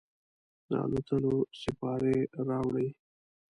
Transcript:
د الوتلوسیپارې راوړي